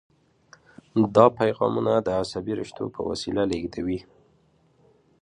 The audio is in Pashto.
دا پیغامونه د عصبي رشتو په وسیله لیږدوي.